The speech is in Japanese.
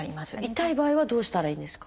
痛い場合はどうしたらいいんですか？